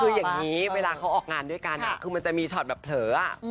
คืออย่างนี้เวลาเขาออกงานด้วยกันคือมันจะมีช็อตแบบเผลอ